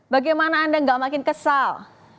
bagaimana anda nggak makin kesal